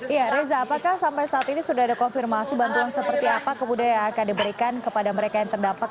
iya reza apakah sampai saat ini sudah ada konfirmasi bantuan seperti apa kemudian yang akan diberikan kepada mereka yang terdampak